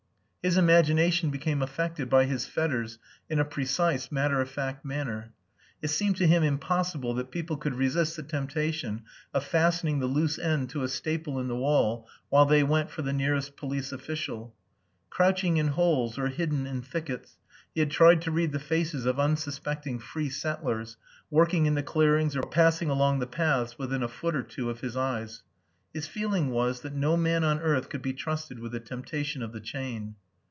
His imagination became affected by his fetters in a precise, matter of fact manner. It seemed to him impossible that people could resist the temptation of fastening the loose end to a staple in the wall while they went for the nearest police official. Crouching in holes or hidden in thickets, he had tried to read the faces of unsuspecting free settlers working in the clearings or passing along the paths within a foot or two of his eyes. His feeling was that no man on earth could be trusted with the temptation of the chain.